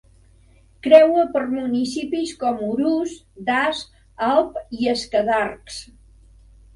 Creua per municipis com Urús, Das, Alp i Escadarcs.